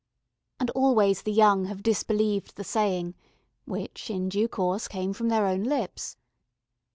And always the young have disbelieved the saying, which in due course came from their own lips.